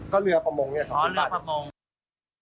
ก็เรือพักมง๒๐๐๐บาท